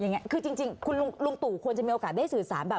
อย่างนี้คือจริงคุณลุงตู่ควรจะมีโอกาสได้สื่อสารแบบ